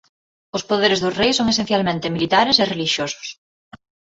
Os poderes dos reis son esencialmente militares e relixiosos.